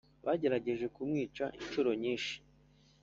Bagerageje kumwica incuro nyinshi